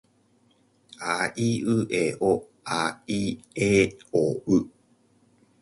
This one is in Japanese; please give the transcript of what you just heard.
あいうえおあいえおう。